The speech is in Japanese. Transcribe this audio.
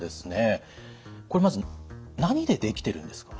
これまず何でできてるんですか？